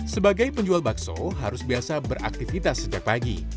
sebagai penjual bakso harus biasa beraktivitas sejak pagi